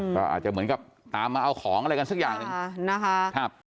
ก็อาจจะเหมือนกับตามมาเอาของอะไรกันสักอย่างหนึ่งนะคะ